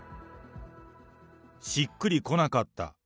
しっくりこなかった。